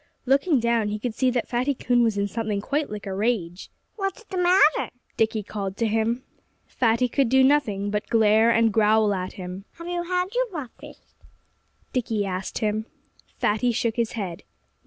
Looking down, he could see that Fatty Coon was in something quite like a rage. "What's the matter?" Dickie called to him. Fatty could do nothing but glare and growl at him. "Have you had your breakfast?" Dickie asked him. Fatty shook his head.